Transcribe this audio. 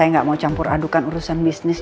dan saya gak mau campur adukan urusan bisa bisa